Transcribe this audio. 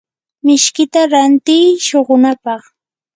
mishkita rantiiy shuqunapaq.